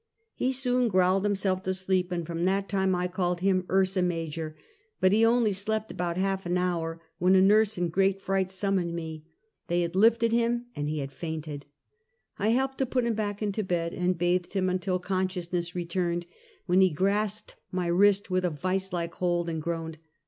He soon growled himself to sleep, and from that time I called him " Ursa Major;" but he only slept about half an hour, when a nurse in great fright sum moned me. They had lifted him and he had fainted. I helped to put him back into bed, and bathed him until consciousness returned, when he grapsed my wrist with a vice like hold and groaned.